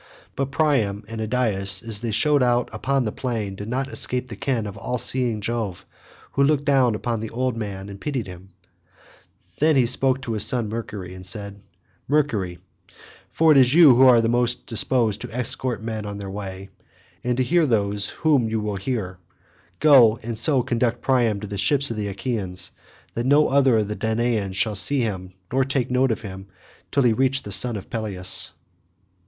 But Priam and Idaeus as they showed out upon the plain did not escape the ken of all seeing Jove, who looked down upon the old man and pitied him; then he spoke to his son Mercury and said, "Mercury, for it is you who are the most disposed to escort men on their way, and to hear those whom you will hear, go, and so conduct Priam to the ships of the Achaeans that no other of the Danaans shall see him nor take note of him until he reach the son of Peleus."